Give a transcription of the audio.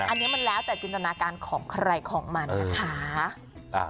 อันนี้มันแล้วแต่จินตนาการของใครของมันนะคะ